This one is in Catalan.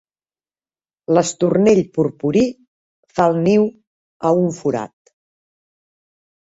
L'estornell purpuri fa el niu a un forat.